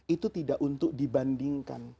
itu tidak untuk dibandingkan